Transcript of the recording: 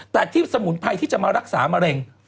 แต่ที่สมุนไพรที่จะมารักษามะเร็ง